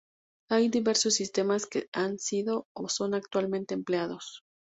Hay diversos sistemas que han sido, o son actualmente empleados.